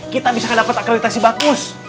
kita bisa dapat akreditasi bagus